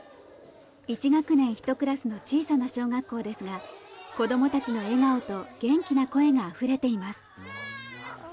１学年１クラスの小さな小学校ですが子どもたちの笑顔と元気な声があふれています。